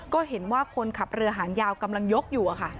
ก็เห็นว่าคนขับเรือหางยาวกำลังยกอยู่